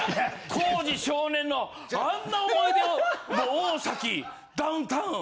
耕司少年のあんな思い出を大ダウンタウン。